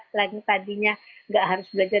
selain tadinya nggak harus belajar